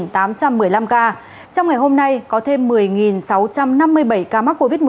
trong ngày hôm nay có thêm một mươi sáu trăm năm mươi bảy ca mắc covid một mươi chín